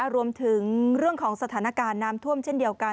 รวมถึงเรื่องของสถานการณ์น้ำท่วมเช่นเดียวกัน